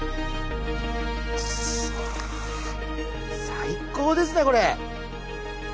最高ですねこれ。